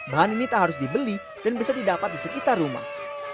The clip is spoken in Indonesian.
bahan ini tak harus dibeli dan bisa didapat di sekitar rumah